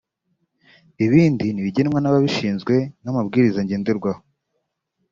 Ibindi ni ibigenwa n’ababishinzwe (nk’amabwiriza ngenderwaho)